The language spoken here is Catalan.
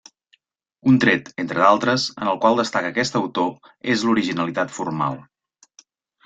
Un tret, entre d'altres, en el qual destaca aquest autor és l'originalitat formal.